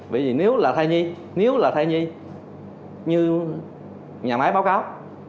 bởi vì nếu là thai nhi nếu là thai nhi như nhà máy báo cáo